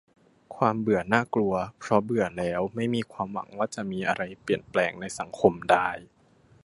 "ความเบื่อน่ากลัว เพราะเบื่อแล้วไม่มีความหวังว่าจะมีอะไรเปลี่ยนแปลงในสังคมได้"